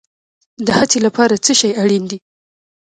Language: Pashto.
د هڅې لپاره څه شی اړین دی؟